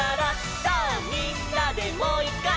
「さぁみんなでもういっかい」